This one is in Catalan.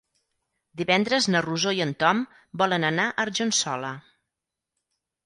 Divendres na Rosó i en Tom volen anar a Argençola.